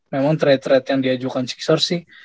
memang trade trade yang diajukan sixers sih